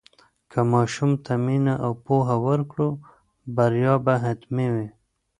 که ماشوم ته مینه او پوهه ورکړو، بریا به حتمي وي.